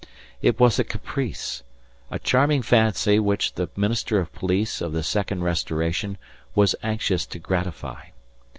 It was a caprice, a charming fancy which the Minister of Police of the Second Restoration was anxious to gratify.